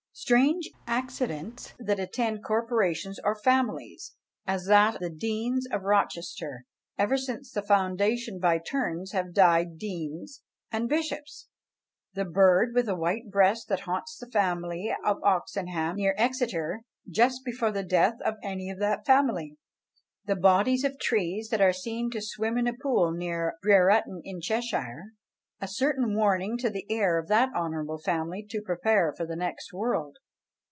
"Strange accidents that attend corporations or families, as that the deans of Rochester ever since the foundation by turns have died deans and bishops; the bird with a white breast that haunts the family of Oxenham near Exeter just before the death of any of that family; the bodies of trees that are seen to swim in a pool near Brereton in Cheshire, a certain warning to the heir of that honourable family to prepare for the next world."